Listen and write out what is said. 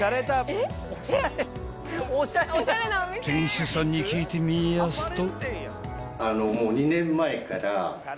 ［店主さんに聞いてみやすと］